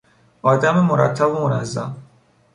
آدم مرتب و منظم